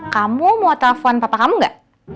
kamu mau telepon papa kamu gak